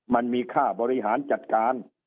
มันมีค่าบริหารจัดการ